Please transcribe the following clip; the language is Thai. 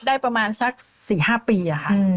ได้ประมาณสัก๔๕ปีค่ะ